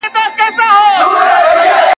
هغوی خوشحالول د مشاورینو دنده ده.